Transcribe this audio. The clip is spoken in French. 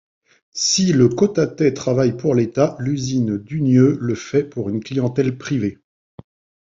Si le Cotatay travaille pour l’État, l’usine d’Unieux le fait pour une clientèle privée.